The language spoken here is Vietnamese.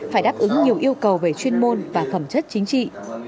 phải đáp ứng nhiều yêu cầu về chuyên môn và phẩm chất chính trị